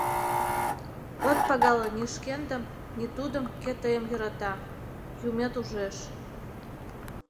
От пагале ни шкендым, ни тудым, кӧ тыйым йӧрата, юмет ужеш.